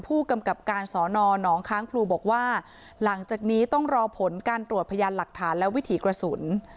ผู้กำกับการสอนอนองค้างพลูบอกว่าหลังจากนี้ต้องรอผลการตรวจพยานหลักฐานและวิถีกระสุน